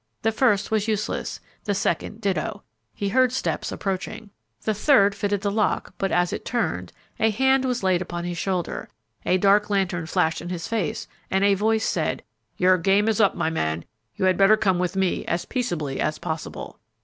The first was useless, the second ditto; he heard steps approaching; the third fitted the lock, but, as it turned, a hand was laid upon his shoulder, a dark lantern flashed in his face, and a voice said, "Your game is up, my man; you had better come with me as peaceably as possible!"